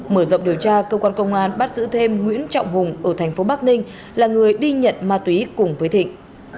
mở rộng điều tra công an tp bắc ninh bắt giữ thêm nguyễn trọng hùng ở tp bắc ninh là người đi nhận ma túy cùng với thịnh